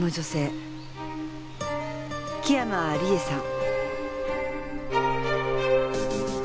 木山理恵さん。